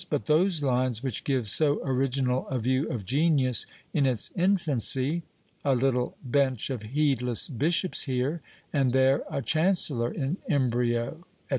But those lines which give so original a view of genius in its infancy, A little bench of heedless bishops here, And there a chancellor in embryo, &c.